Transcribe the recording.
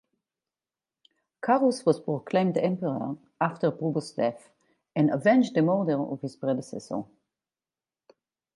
Carus was proclaimed emperor after Probus' death and avenged the murder of his predecessor.